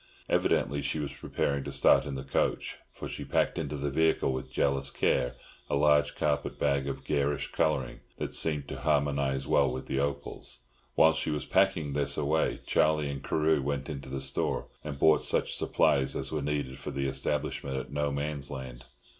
Evidently she was preparing to start in the coach, for she packed into the vehicle with jealous care a large carpet bag of garish colouring that seemed to harmonise well with the opals. While she was packing this away, Charlie and Carew went into the store, and bought such supplies as were needed for the establishment at No Man's Land.